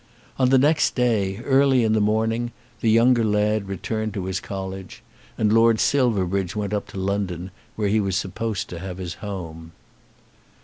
On the next day, early in the morning, the younger lad returned to his college, and Lord Silverbridge went up to London, where he was supposed to have his home.